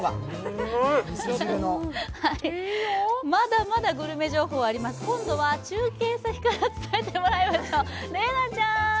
まだまだグルメ情報あります、今度は中継先から、伝えていただきましょう。